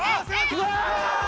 うわ！